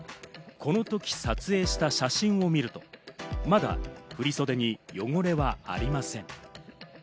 このとき撮影した写真を見ると、まだ振り袖に汚れはありません。